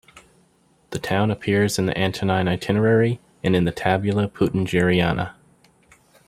The town appears in the Antonine Itinerary and in the Tabula Peutingeriana.